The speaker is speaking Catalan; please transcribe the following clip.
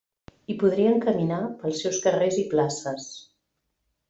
I podrien caminar pels seus carrers i places.